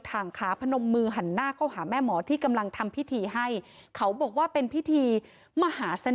ทางขาพนมมือหันหน้าเข้าหาแม่หมอที่กำลังทำพิธีให้เขาบอกว่าเป็นพิธีมหาสนุก